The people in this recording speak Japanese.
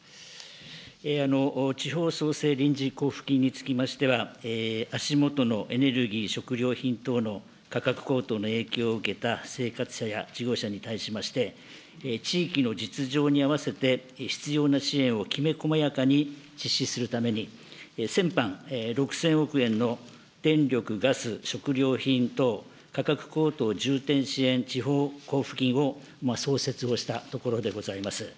地方創生臨時交付金につきましては、足下のエネルギー、食料品等の価格高騰の影響を受けた生活者や事業者に対しまして、地域の実情に合わせて、必要な支援をきめこまやかに実施するために、先般、６０００億円の電力、ガス、食料品等、価格高騰重点支援地方交付金を創設をしたところでございます。